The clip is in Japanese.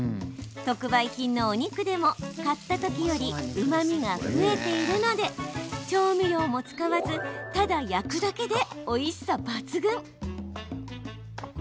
特売品のお肉でも買ったときよりうまみが増えているので調味料も使わずただ焼くだけで、おいしさ抜群。